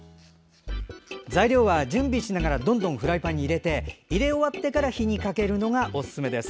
材料は準備しながらどんどんフライパンに入れて入れ終わってから火にかけるのがおすすめです。